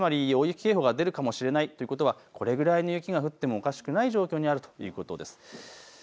警報が出るかもしれないということはこれぐらいの雪が降ってもおかしくない状況だということです。